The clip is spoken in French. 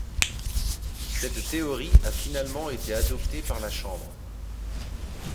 Cette théorie a finalement été adoptée par la Chambre.